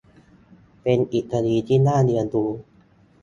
เป็นอีกคดีที่น่าเรียนรู้